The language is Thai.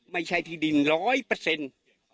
ไม่ใช่ที่ดินร้อยเปอร์เซ็นต์